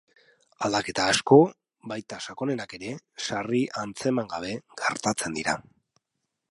Aldaketa asko, baita sakonenak ere, sarri antzeman gabe gertatzen dira.